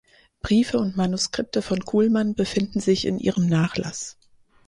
Briefe und Manuskripte von Kuhlmann befinden sich in ihrem Nachlass.